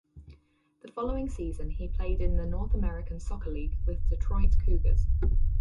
The following season he played in the North American Soccer League with Detroit Cougars.